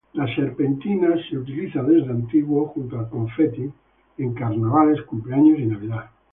Las serpentinas son utilizadas desde antiguo, junto al confeti, en carnavales, cumpleaños y Navidad.